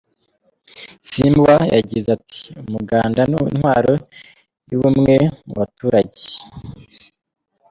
Simbwa yagize ati “Umuganda ni intwaro y’ubumwe mu baturage.